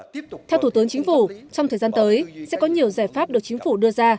theo thủ tướng chính phủ trong thời gian tới sẽ có nhiều giải pháp được chính phủ đưa ra